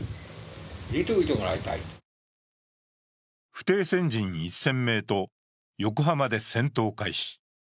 不逞鮮人１０００名と横浜で戦闘開始。